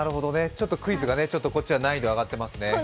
クイズがこっちは難易度が上っていますね。